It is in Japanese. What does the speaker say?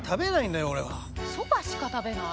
そばしか食べない？